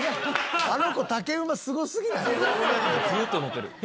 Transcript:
あの子竹馬すごすぎない？